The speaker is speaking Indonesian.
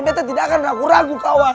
beta tidak akan ragu ragu kawan